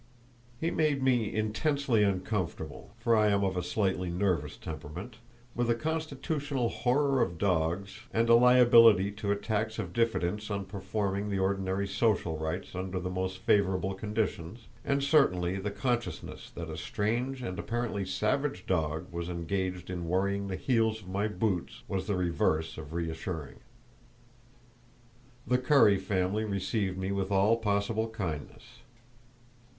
He made me intensely uncomfortable, for I am of a slightly nervous temperament, with a constitutional horror of dogs, and a liability to attacks of diffidence on performing the ordinary social rites under the most favourable conditions, and certainly the consciousness that a strange and apparently savage dog was engaged in worrying the heels of my boots was the reverse of reassuring. The Currie family received me with all possible kindness.